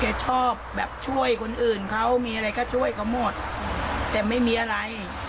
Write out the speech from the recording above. ชอบแบบช่วยคนอื่นเขามีอะไรก็ช่วยเขาหมดแต่ไม่มีอะไร